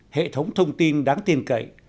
hệ thống thông tin đáng tin cậy